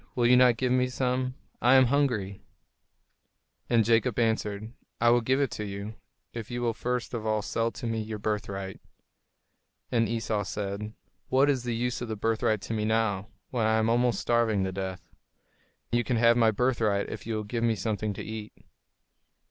Will you not give me some? I am hungry." [Illustration: "Sell me your birthright"] And Jacob answered, "I will give it to you, if you will first of all sell to me your birthright." And Esau said, "What is the use of the birthright to me now, when I am almost starving to death? You can have my birthright if you will give me something to eat."